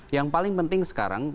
yang paling penting sekarang